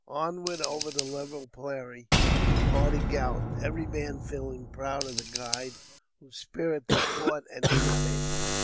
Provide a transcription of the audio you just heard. Onward, over the level prairie, the party galloped every man feeling proud of the guide, whose spirit they caught and imitated.